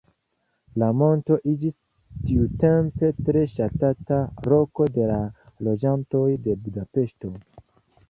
La monto iĝis tiutempe tre ŝatata loko de la loĝantoj de Budapeŝto.